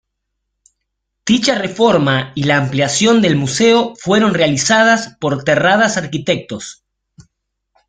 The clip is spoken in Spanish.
Dicha reforma y la ampliación del Museo fueron realizadas por Terradas Arquitectos.